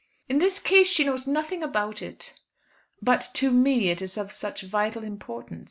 "In this case she knows nothing about it." "But to me it is of such vital importance!